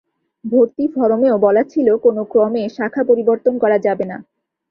ভর্তি ফরমেও বলা ছিল, কোনো ক্রমে শাখা পরিবর্তন করা যাবে না।